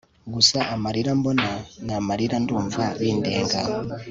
Gusa amarira mbona namarira ndumva bindenga